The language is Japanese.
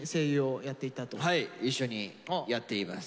はい一緒にやっています。